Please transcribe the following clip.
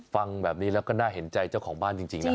ฟังแบบนี้แล้วก็น่าเห็นใจเจ้าของบ้านจริงนะ